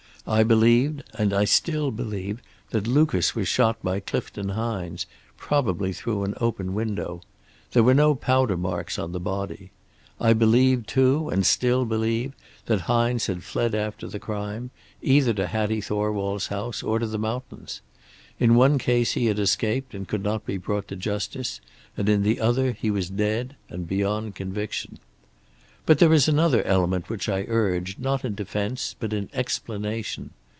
I believed, and I still believe, that Lucas was shot by Clifton Hines, probably through an open window. There were no powder marks on the body. I believed, too, and still believe, that Hines had fled after the crime, either to Hattie Thorwald's house or to the mountains. In one case he had escaped and could not be brought to justice, and in the other he was dead, and beyond conviction. "But there is another element which I urge, not in defense but in explanation.